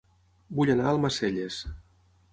Vull anar a Almacelles